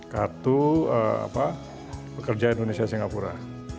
kartu pekerja indonesia singapura